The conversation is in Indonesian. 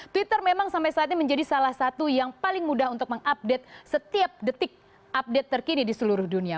twitter memang sampai saat ini menjadi salah satu yang paling mudah untuk mengupdate setiap detik update terkini di seluruh dunia